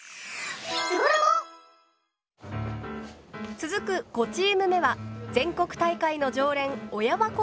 続く５チーム目は全国大会の常連小山高専です。